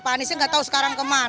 pak aniesnya nggak tahu sekarang kemana